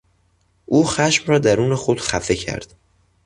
او خشم را در درون خود خفه کرد.